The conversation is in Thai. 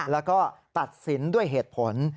แล้วก็ตัดสินด้วยเหตุผล